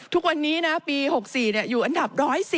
ทุกวันนี้นะปี๖๔อยู่อันดับ๑๑๐